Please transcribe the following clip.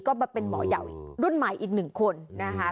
ก็มาเป็นหมอใหญ่รุ่นใหม่อีกหนึ่งคนนะคะ